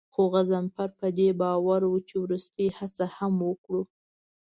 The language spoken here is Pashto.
خو غضنفر په دې باور و چې وروستۍ هڅه هم وکړو.